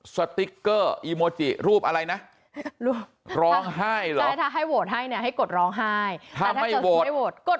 สติ๊กเกอร์อีโมจิรูปอะไรนะร้องไห้หรอให้โหตให้ให้กดร้องไห้กด